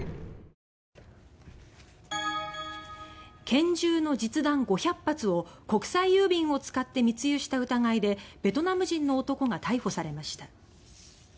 拳銃の実弾５００発を国際郵便を使って密輸した疑いでベトナム人の男が逮捕されました。